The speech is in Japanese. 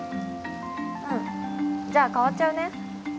うんじゃあ変わっちゃうね